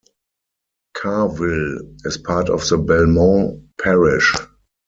Carrville is part of the Belmont parish.